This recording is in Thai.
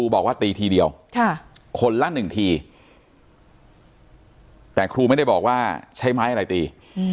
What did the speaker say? บอกว่าตีทีเดียวคนละ๑ทีแต่ครูไม่ได้บอกว่าใช้ไม้อะไรตี